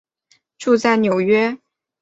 住在纽约。